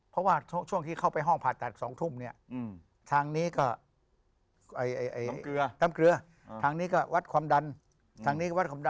เท่าที่เข้าไปห้องผ่าจัดสองทุ่ม